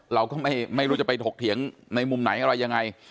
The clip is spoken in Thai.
เราก็ไม่รู้จะไปถกเถียงในมุมไหนอะไรยังไง